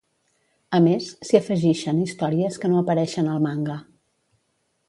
A més, s'hi afegixen històries que no apareixen al manga.